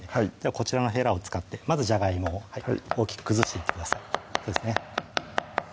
こちらのヘラを使ってまずじゃがいもを大きく崩していってくださいそうですね